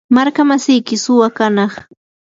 markamasiyki suwa kanaq.